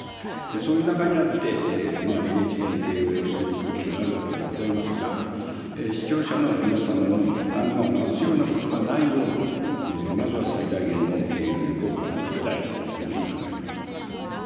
そういう中にあって、ＮＨＫの経営をしていくことになるわけでございますが、視聴者の皆様の負担が増すようなことがないように、まずは最大限の経営努力を行っていきたいというふうに考えてございます。